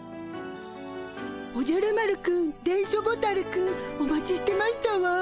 おじゃる丸くん電書ボタルくんお待ちしてましたわ。